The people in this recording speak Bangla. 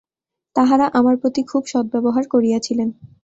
তাঁহারা আমার প্রতি খুব সদ্ব্যবহার করিয়াছিলেন।